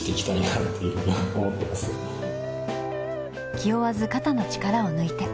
気負わず肩の力を抜いて。